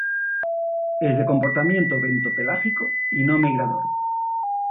Es de comportamiento bentopelágico y no migrador.